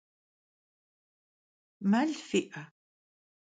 Mel fi'e?